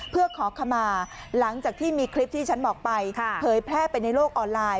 เพื่อขอขมาหลังจากที่มีคลิปที่ฉันบอกไปเผยแพร่ไปในโลกออนไลน์